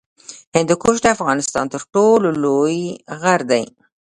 هندوکش د افغانستان تر ټولو لوی غر دی